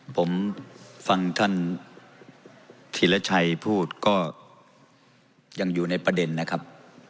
ผมฟังท่านธีรชัยพูดก็ยังอยู่ในประเด็นนะครับ